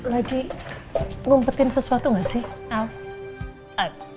lagi ngumpetin sesuatu gak sih ap